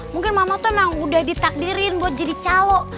mungkin mama tuh emang udah ditakdirin buat jadi calo